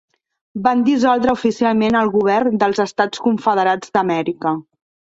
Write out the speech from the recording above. Van dissoldre oficialment el govern dels Estats Confederats d'Amèrica.